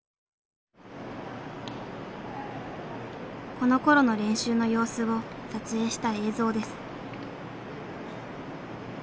このころの練習の様子を撮影した映像です。